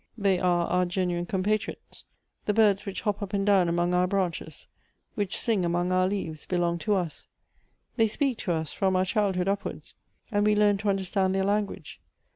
They are our gen uine compatriots. The birds which hop up and down among our branches, which sing among our leaves, belong to us; they speak to us from out childhood upwards, and we learn to understand their language.